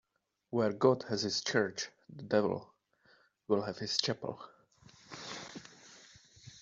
Where God has his church, the devil will have his chapel